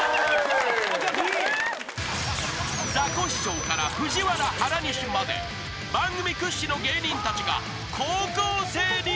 ［ザコシショウからＦＵＪＩＷＡＲＡ原西まで番組屈指の芸人たちが高校生に挑む］